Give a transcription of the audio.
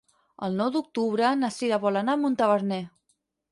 El nou d'octubre na Cira vol anar a Montaverner.